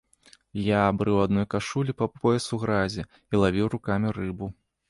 Я брыў у адной кашулі па пояс у гразі і лавіў рукамі рыбу.